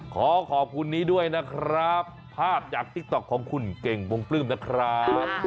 ขอขอบคุณนี้ด้วยนะครับภาพจากติ๊กต๊อกของคุณเก่งวงปลื้มนะครับ